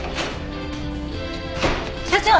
所長！